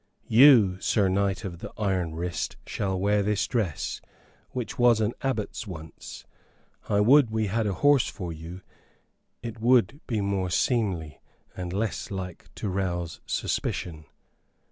"You, Sir Knight of the iron wrist, shall wear this dress, which was an abbot's once. I would we had a horse for you; it would be more seemly, and less like to rouse suspicion."